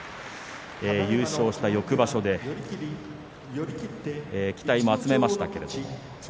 優勝した翌場所期待も集めましたけれども。